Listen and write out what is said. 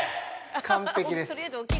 ◆完璧です！